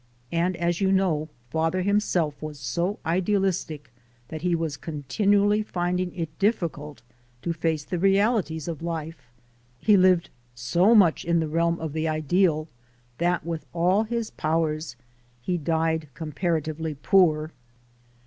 And as you know, father himself was so idealistic that he was continually finding it difficult to face the realities of life; he lived so much in the realm of the ideal that, with all his powers, he died comparatively poor.